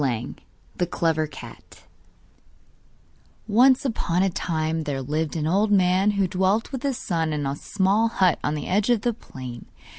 ] The Clever Cat Once upon a time there lived an old man who dwelt with his son in a small hut on the edge of the plain.